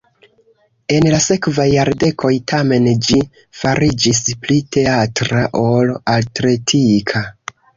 En la sekvaj jardekoj, tamen, ĝi fariĝis pli teatra ol atletika.